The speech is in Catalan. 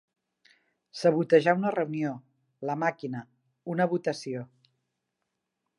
Sabotejar una reunió, la màquina, una votació.